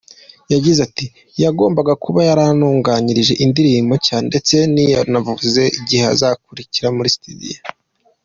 Yagize ati “Yagombaga kuba yaratunganyije indirimbo nshya ndetse ntiyanavuze igihe azagarukira muri studio.